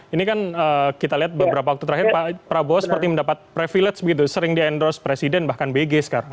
ini kan kita lihat beberapa waktu terakhir pak prabowo seperti mendapat privilege begitu sering di endorse presiden bahkan bg sekarang